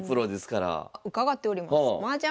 伺っております。